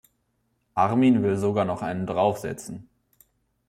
Armin will sogar noch einen draufsetzen.